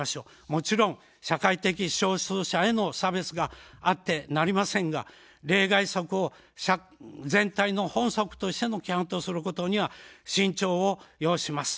もちろん、社会的少数者への差別があってなりませんが例外則を全体の本則としての規範とすることには慎重を要します。